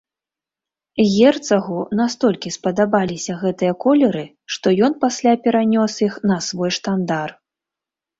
Герцагу настолькі спадабаліся гэтыя колеры, што ён пасля перанёс іх на свой штандар.